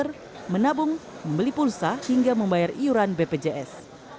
masker menabung membeli pulsa hingga membayar iuran bpjs